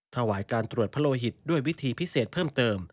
ถวายการตรวจพโลหิตด้วยวิธีพิเศษเพิ่มเติม